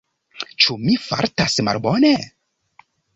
Ĉu mi fartas malbone?